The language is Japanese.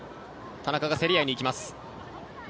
田中が競り合いに行きます。